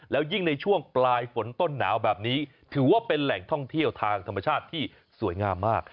แล้วยิ่งในช่วงปลายฝนต้นหนาวแบบนี้ถือว่าเป็นแหล่งท่องเที่ยวทางธรรมชาติที่สวยงามมาก